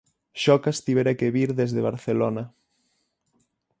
Xocas tivera que vir desde Barcelona...